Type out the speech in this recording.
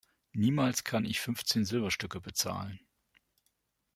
Niemals kann ich fünfzehn Silberstücke bezahlen!